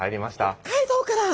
北海道から！